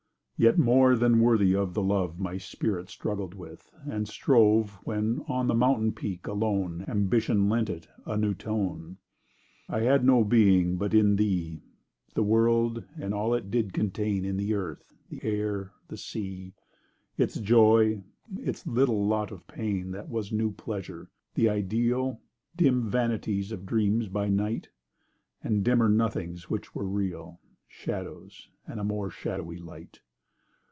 Yet more than worthy of the love My spirit struggled with, and strove, When, on the mountain peak, alone, Ambition lent it a new tone— I had no being—but in thee: The world, and all it did contain In the earth—the air—the sea— Its joy—its little lot of pain That was new pleasure—the ideal, Dim, vanities of dreams by night— And dimmer nothings which were real— (Shadows—and a more shadowy light!)